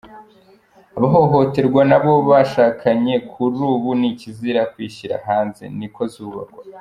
Abahohoterwa n'abo bashakanye kuri bo ni ikizira kwishyira hanze,"niko zubakwa".